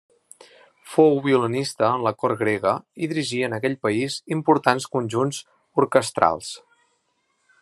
Fou violinista en la cort grega i dirigí en aquell país importants conjunts orquestrals.